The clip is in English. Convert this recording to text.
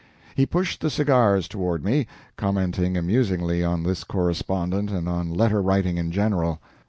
He pushed the cigars toward me, commenting amusingly on this correspondent and on letter writing in general.